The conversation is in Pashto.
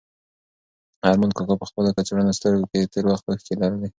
ارمان کاکا په خپلو کڅوړنو سترګو کې د تېر وخت اوښکې لرلې.